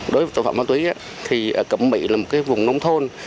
đối với tội phạm ma túy thì cẩm mỹ là một vùng nông thôn